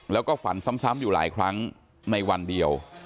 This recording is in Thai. แล้วก็ฝันซ้ำอยู่หลายครั้งในวันเดียว